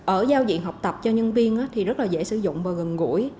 ở giao diện học tập cho nhân viên thì rất là dễ sử dụng và gần gũi